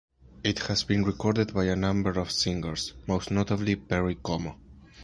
It has been recorded by a number of singers, most notably Perry Como.